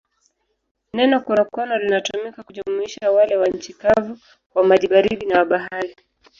Neno konokono linatumika kujumuisha wale wa nchi kavu, wa maji baridi na wa bahari.